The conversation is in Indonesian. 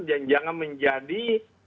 dan jangan menjadi